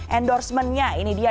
endorsementnya ini dia